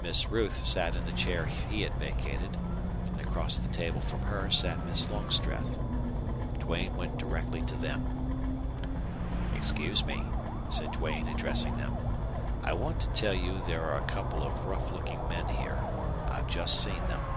Miss Ruth sat in the chair he had vacated, and across the table from her sat Miss Longstreth. Duane went directly to them. "Excuse me," said Duane, addressing them. "I want to tell you there are a couple of rough looking men here. I've just seen them.